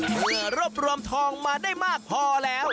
เมื่อรวบรวมทองมาได้มากพอแล้ว